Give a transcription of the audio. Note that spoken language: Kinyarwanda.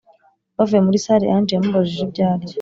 bavuye muri sale ange yamubajije ibyarya